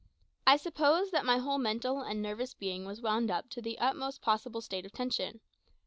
I suppose that my whole mental and nervous being was wound up to the utmost possible state of tension.